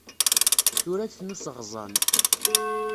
Turagt n useɣẓan.